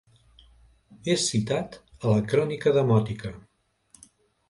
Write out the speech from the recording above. És citat a la Crònica Demòtica.